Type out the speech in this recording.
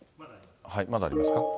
まだありますか。